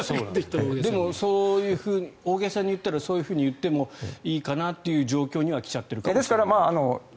でも、大げさに言ったらそういうふうに言ってもいいかなという状況には来ちゃっているかもしれない。